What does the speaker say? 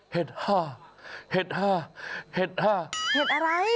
เห็ดห้าเห็ดห้าเห็ดหาเห็ดอะไร